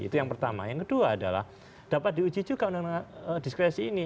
itu yang pertama yang kedua adalah dapat diuji juga undang undang diskresi ini